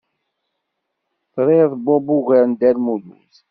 Triḍ Bob ugar n Dda Lmulud.